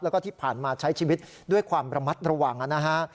แล้วก็ที่ผ่านมาใช้ชีวิตด้วยความระมัดระวังนะฮะ